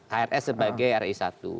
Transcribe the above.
hrs sebagai ri satu